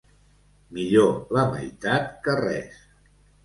Millor la meitat que res.